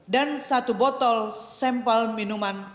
dan satu botol sampel minuman